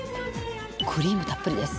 クリームたっぷりです。